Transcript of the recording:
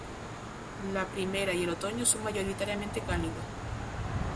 La primera y el otoño son mayoritariamente cálidos.